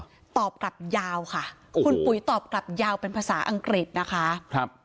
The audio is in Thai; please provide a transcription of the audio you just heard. ก็ตอบกลับยาวค่ะคุณปุ๋ยตอบกลับยาวเป็นภาษาอังกฤษนะคะครับ